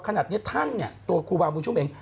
คณะเนี้ยท่านตัวคุบูญชุมเอง